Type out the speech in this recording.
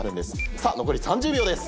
さぁ残り３０秒です！